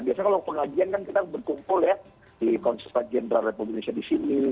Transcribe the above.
biasanya kalau kerajian kan kita berkumpul ya di konsulsa jenderal republik indonesia disini